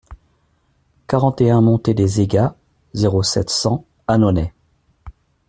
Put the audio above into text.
quarante et un montée des Aygas, zéro sept, cent, Annonay